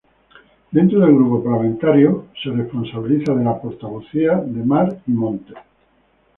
Dentro del Grupo Parlamentario Popular se responsabiliza de la portavocía del Mar y Montes.